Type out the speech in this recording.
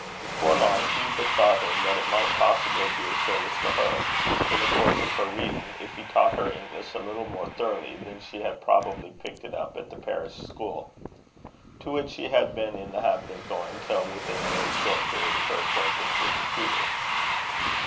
Before long, Hugh bethought him that it might possibly be of service to her, in the course of her reading, if he taught her English a little more thoroughly than she had probably picked it up at the parish school, to which she had been in the habit of going till within a very short period of her acquaintance with the tutor.